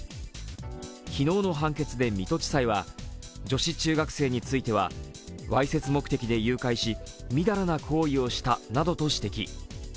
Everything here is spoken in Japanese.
昨日の判決で水戸地裁は女子中学生については、わいせつ目的で誘拐しみだらな行為をしたなどと指摘。